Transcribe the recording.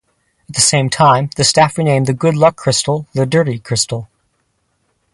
At the same time, the staff renamed The Good Luck Crystal, The Dirty Crystal.